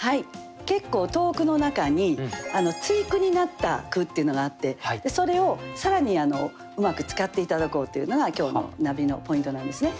結構投句の中に対句になった句っていうのがあってそれを更にうまく使って頂こうというのが今日のナビのポイントなんですね。